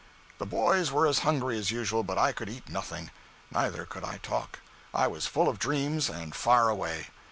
The boys were as hungry as usual, but I could eat nothing. Neither could I talk. I was full of dreams and far away.